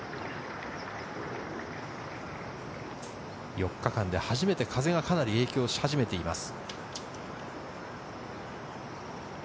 ４日間で初めて風がかなり影響し始めています。